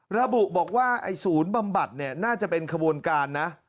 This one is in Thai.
ระบุบอกว่าสูรบำบัดน่าจะเป็นขบวนการนะ